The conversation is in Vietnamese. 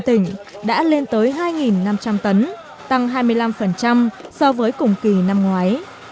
tỉnh đã lên tới hai năm trăm linh tấn tăng hai mươi năm so với cùng kỳ năm ngoái